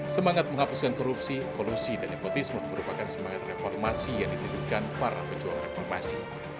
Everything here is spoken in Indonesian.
semangat menghapuskan korupsi polusi dan nepotisme merupakan semangat reformasi yang ditidurkan para pejuang reformasi